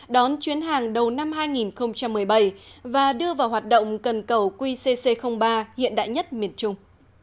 đón chuyến hàng đầu năm hai nghìn một mươi bảy và đưa vào hoạt động cần cầu qc ba hiện đại nhất miền trung